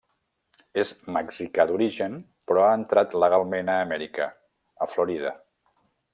És mexicà d'origen però ha entrat legalment a Amèrica, a Florida.